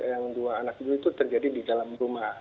yang dua anak itu terjadi di dalam rumah